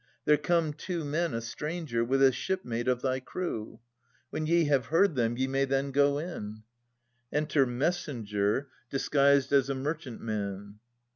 There come two men, A stranger, with a shipmate of thy crew. When ye have heard them, ye may then go in. Enter Messenger, disguised as a merchantman.